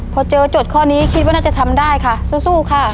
พอเจอโจทย์ข้อนี้คิดว่าน่าจะทำได้ค่ะสู้ค่ะ